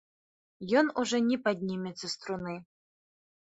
Ён ужо не паднімецца з труны.